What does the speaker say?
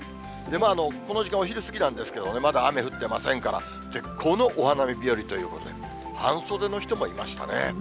この時間はお昼過ぎなんですけれども、まだ雨降ってませんから、絶好のお花見日和ということで、半袖の人もいましたね。